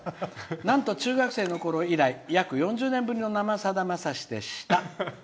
「なんと中学生のころ以来４０年ぶりの「生さだ」でした。